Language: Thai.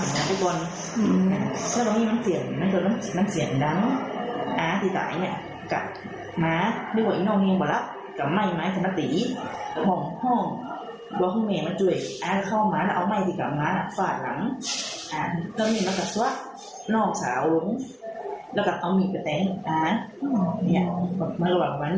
มากระวังมาเนียดแล้วก็ต้องกระหนิงไปเลย